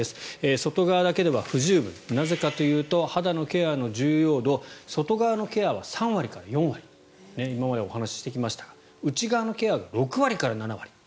外側だけでは不十分なぜかというと肌のケアの重要度外側のケアは３割から４割今までお話してきましたが内側のケアが６割から７割。